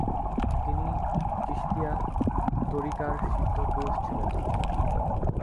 তিনি চিশতিয়া ত্বরীকার সিদ্ধ পুরুষ ছিলেন।